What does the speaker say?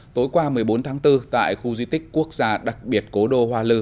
tối qua một mươi bốn tháng bốn tại khu di tích quốc gia đặc biệt cố đô hoa lư